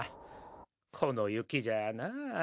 この雪じゃあな。